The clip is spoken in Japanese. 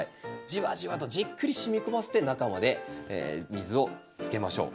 じわじわとじっくり染み込ませて中まで水をつけましょう。